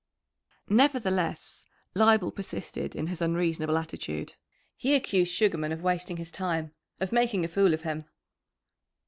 Nevertheless, Leibel persisted in his unreasonable attitude. He accused Sugarman of wasting his time, of making a fool of him.